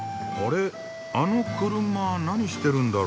あの車何してるんだろう？